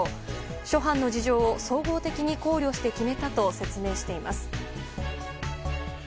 諸般の事情を総合的に考慮して決めたと説明しています。